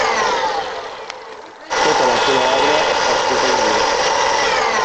Tota la seva obra està escrita en gallec.